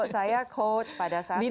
saya coach pada saat